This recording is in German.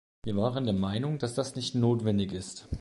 Wir waren der Meinung, dass das nicht notwendig ist.